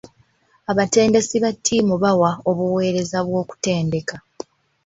Abatendesi ba ttiimu bawa obuweereza bw'okutendeka.